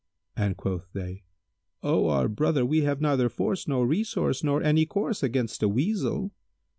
and quoth they, "O our brother, we have neither force nor resource nor any course against a Weasel."